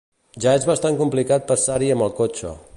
Ja es bastant complicat passar-hi amb el cotxe.